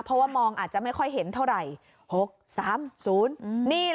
เพราะว่ามองอาจจะไม่ค่อยเห็นเท่าไรหกสามศูนย์อืมนี่แหละ